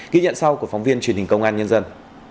ghi nhận sau của phóng viên truyền hình công an nhân dân